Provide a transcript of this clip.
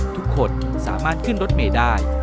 ทุกคนสามารถขึ้นรถเมย์ได้